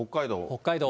北海道